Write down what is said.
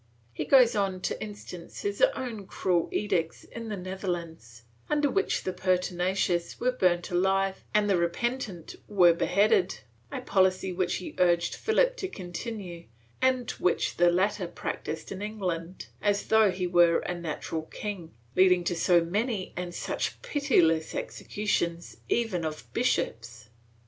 He goes on to instance his own cruel edicts in the Netherlands, under which the pertinacious were burnt alive and the repentant were beheaded, a policy which he urged Philip to continue and which the latter practised in England, as though he were its natural king, leading to so many and such pitiless executions, even of bishops.